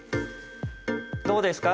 どうですか？